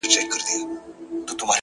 هغه زما تيارې کوټې ته څه رڼا ورکوي”